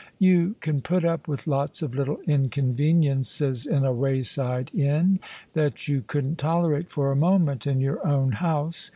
You can put up with lots of little inconveniences in a wayside inn that you couldn't tolerate for a moment in your own house.